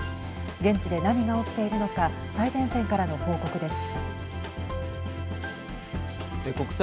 現地で何が起きているのか最前線からの報告です。